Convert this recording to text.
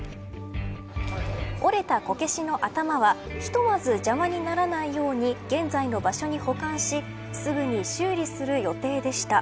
折れたこけしの頭はひとまず邪魔にならないように現在の場所に保管しすぐに修理する予定でした。